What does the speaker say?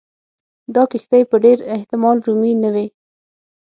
دا کښتۍ په ډېر احتمال رومي نه وې.